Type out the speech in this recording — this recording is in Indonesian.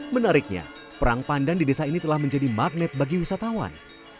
menariknya perang pandan di desa ini telah menjadi magnet bagi wisatawan